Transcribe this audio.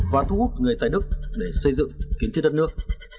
và thu hút người tài đức để xây dựng kiến thiết đất nước